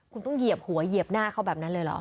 คุณต้องเหยียบหัวเหยียบหน้าเขาแบบนั้นเลยเหรอ